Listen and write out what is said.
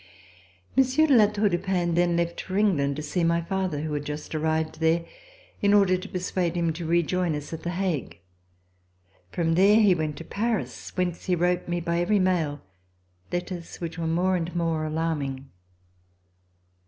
Monsieur de La Tour du Pin then left for England to see my father who had just arrived there, in order to persuade him to rejoin us at The Hague. From there he went to Paris, whence he wrote me by every mail letters which were more and more alarming.